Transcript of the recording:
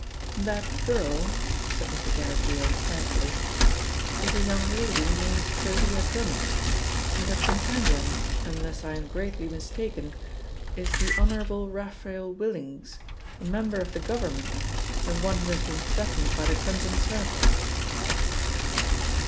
"That girl," said Mr. Derrick Yale carefully, "is a young lady named Thalia Drummond, and her companion, unless I am greatly mistaken, is the Honourable Raphael Willings, a member of the Government and one who has been threatened by the Crimson Circle."